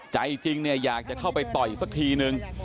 ใจจริงเนี่ยอยากจะเข้าไปต่อยสักทีนึง